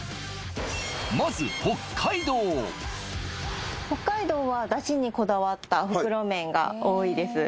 まず北海道北海道は出汁にこだわった袋麺が多いです